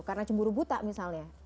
karena cemburu buta misalnya